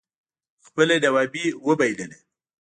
خپله نوابي اوبائلله